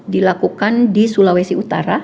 dilakukan di sulawesi utara